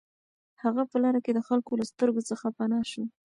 هغه په لاره کې د خلکو له سترګو څخه پناه شو